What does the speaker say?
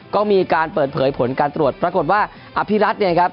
ก็มีการเปิดเผยผลการตรวจปรากฏว่าอภิรัตน์เนี่ยครับ